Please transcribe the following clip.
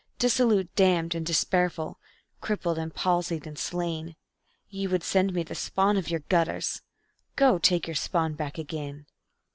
Dissolute, damned and despairful, crippled and palsied and slain, Ye would send me the spawn of your gutters Go! take back your spawn again.